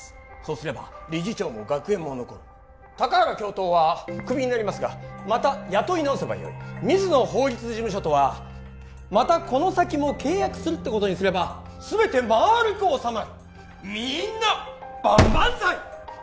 すれば理事長も学園も残る高原教頭はクビになりますがまた雇い直せばよい水野法律事務所とはまたこの先も契約するってことにすれば全てまーるく収まるみーんな万々歳！